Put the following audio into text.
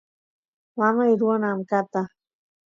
mamay ruwan amkata